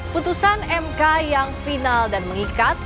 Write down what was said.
putusan mk yang final dan mengikat